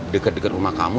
deket deket rumah kamu